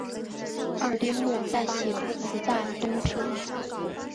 二丁目在洗足池站东侧。